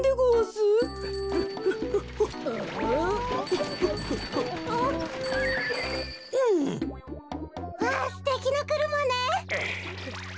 すてきなくるまね。